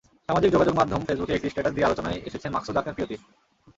সামাজিক যোগাযোগ মাধ্যম ফেসবুকে একটি স্ট্যাটাস দিয়ে আলোচনায় এসেছেন মাকসুদা আকতার প্রিয়তি।